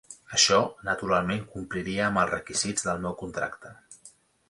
Això naturalment compliria amb els requisits del meu contracte.